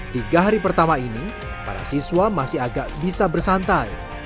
tiga hari pertama ini para siswa masih agak bisa bersantai